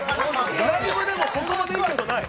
ライブでもここまでのことはない。